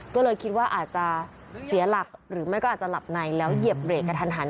ก็เลยคิดว่าอาจจะเสียหลักหรือไม่ก็อาจจะหลับในแล้วเหยียบเบรกกระทันหัน